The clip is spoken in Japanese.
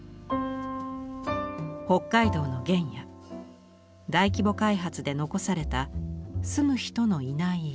北海道の原野大規模開発で残された住む人のいない家。